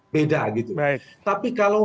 beda tapi kalau